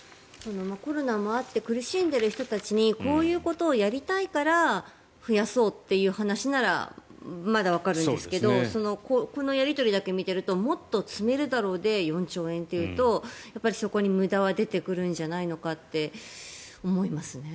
コロナもあって苦しんでいる人たちにこういうことをやりたいから増やそうっていう話ならまだわかるんですけどこのやり取りだけ見ているともっと積めるだろうで４兆円だというとそこに無駄は出てくるんじゃないのかって思いますね。